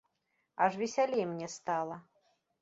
Аж весялей мне стала.